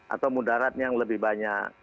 atau mudarat yang lebih banyak